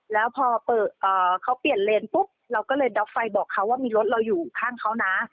แล้วพอเขาเปลี่ยนเลนปุ๊บเราก็เลยด๊อกไฟบอกเขาว่ามีรถเราอยู่ข้างเขานะ